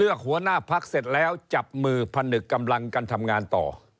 หัวหน้าพักเสร็จแล้วจับมือพนึกกำลังกันทำงานต่อ